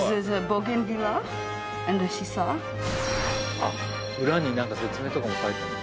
あっ裏に何か説明とかも書いてあるんだ。